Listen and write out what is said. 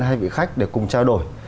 hai vị khách để cùng trao đổi